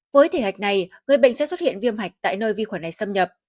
với thể hạch này người bệnh sẽ xuất hiện viêm hạch tại nơi vi khuẩn này xâm nhập